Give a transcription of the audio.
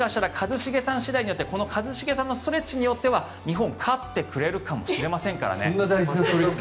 もしかしたらこの一茂さんのストレッチによっては日本、勝ってくれるかもしれませんからね。